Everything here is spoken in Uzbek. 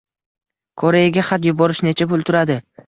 Koreyaga xat yuborish necha pul turadi?